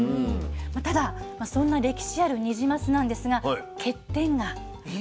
ただそんな歴史あるニジマスなんですが欠点がありました。